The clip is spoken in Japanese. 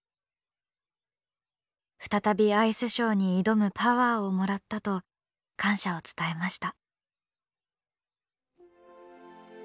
再びアイスショーに挑むパワーをもらったと感謝を伝えました。